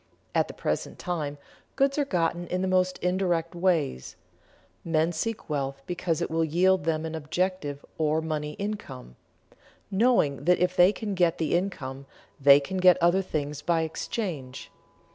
At the present time goods are gotten in the most indirect ways; men seek wealth because it will yield them an objective or money income, knowing that if they can get the income, they can get other things by exchange.